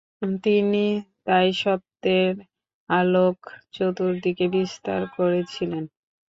তাই তিনি সত্যের আলোক চতুর্দিকে বিস্তার করেছিলেন।